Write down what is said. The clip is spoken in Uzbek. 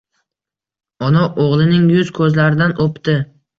Ona o‘g‘lining yuz-ko‘zlaridan o‘pdi.